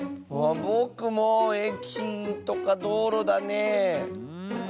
ぼくもえきとかどうろだねえ。